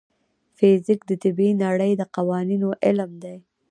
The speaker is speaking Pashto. فزیک د طبیعي نړۍ د قوانینو علم دی.